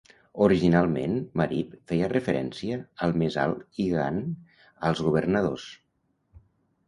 Originalment, "Marip" feia referència al més alt i "gan" als governadors.